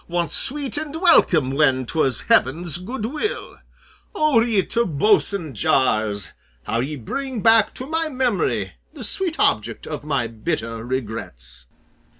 Once sweet and welcome when 'twas heaven's good will. "O ye Tobosan jars, how ye bring back to my memory the sweet object of my bitter regrets!"